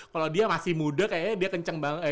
kalau dia masih muda kayaknya dia kenceng banget